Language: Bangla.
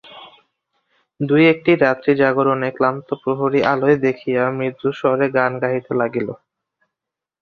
দুই একটি রাত্রি জাগরণে ক্লান্ত প্রহরী আলো দেখিয়া মৃদুস্বরে গান গাহিতে লাগিল।